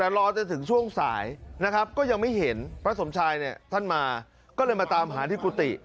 แต่รอจนถึงช่วงสายนะครับก็ยังไม่เห็นพระสมชายเนี่ยท่านมาก็เลยมาตามหาที่กุฏิ